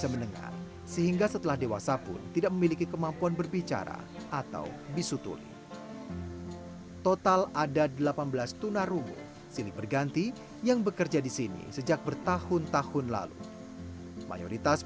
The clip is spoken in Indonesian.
mereka harus bisa beradaptasi